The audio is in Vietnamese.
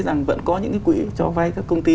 rằng vẫn có những cái quỹ cho vay các công ty